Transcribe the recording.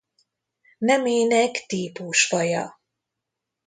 Nemének típusfaja.